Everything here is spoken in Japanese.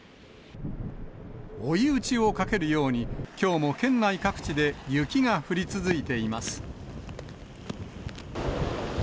追い打ちをかけるように、きょうも県内各地で雪が降り続いています。